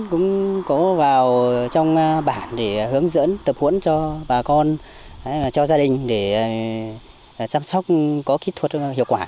cũng có vào trong bản để hướng dẫn tập huấn cho bà con cho gia đình để chăm sóc có kỹ thuật hiệu quả